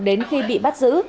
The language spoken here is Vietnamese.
đến khi bị bắt giữ